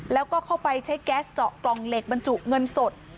แล้วก็เข้าไปใช้แก๊สเจาะกล่องเหล็กบรรจุเงินสด